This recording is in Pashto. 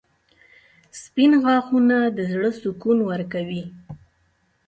• سپین غاښونه د زړه سکون ورکوي.